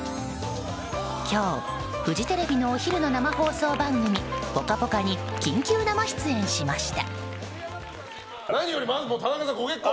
今日、フジテレビのお昼の生放送番組「ぽかぽか」に緊急生出演しました。